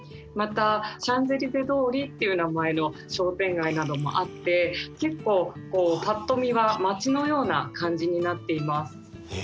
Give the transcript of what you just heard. またシャンゼリゼ通りっていう名前の商店街などもあって結構ぱっと見は町のような感じになっています。